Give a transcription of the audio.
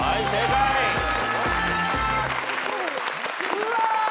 うわ！